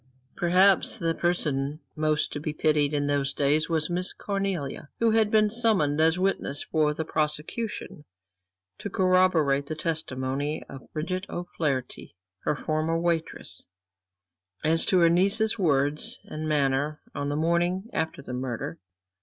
Perhaps the person most to be pitied in those days was Miss Cornelia, who had been summoned as witness for the prosecution to corroborate the testimony of Bridget O'Flaherty, her former waitress, as to her niece's words and manner on the morning after the murder.